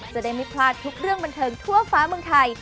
จะได้ไม่พลาดทุกเรื่องบันเทิงทั่วฟ้าเมืองไทย